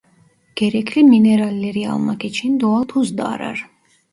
Gerekli mineralleri almak için doğal tuz da arar.